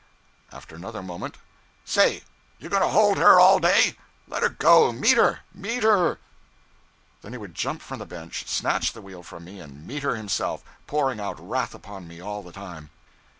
After another moment 'Say! You going to hold her all day? Let her go meet her! meet her!' Then he would jump from the bench, snatch the wheel from me, and meet her himself, pouring out wrath upon me all the time.